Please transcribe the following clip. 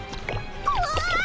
［うわ！］